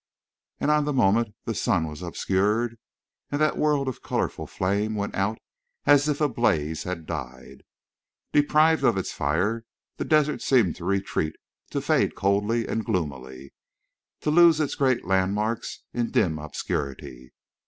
And on the moment the sun was obscured and that world of colorful flame went out, as if a blaze had died. Deprived of its fire, the desert seemed to retreat, to fade coldly and gloomily, to lose its great landmarks in dim obscurity.